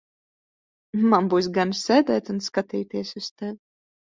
Man būs gana sēdēt un skatīties uz tevi.